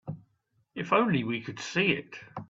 If only we could see it.